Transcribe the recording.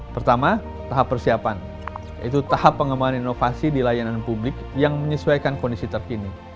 pertama tahap persiapan yaitu tahap pengembangan inovasi di layanan publik yang menyesuaikan kondisi terkini